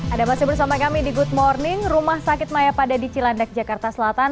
ada masih bersama kami di good morning rumah sakit mayapada di cilandak jakarta selatan